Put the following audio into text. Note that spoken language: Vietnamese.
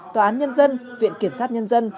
tòa án nhân dân viện kiểm sát nhân dân